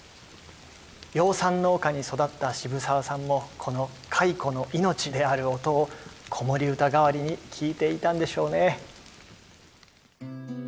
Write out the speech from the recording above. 養蚕農家に育った渋沢さんもこの蚕の命である音を子守歌代わりに聞いていたんでしょうね。